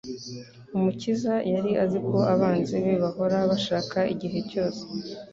Umukiza yari azi ko abanzi be bahora bashaka igihe cyose